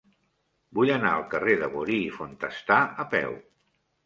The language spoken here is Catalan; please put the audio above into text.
Vull anar al carrer de Bori i Fontestà a peu.